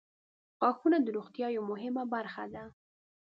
• غاښونه د روغتیا یوه مهمه برخه ده.